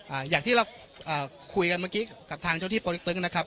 อ่าอย่างที่เราอ่าคุยกันเมื่อกี้กับทางเจ้าที่ปลึกตึงนะครับ